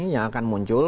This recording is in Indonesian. yang akan muncul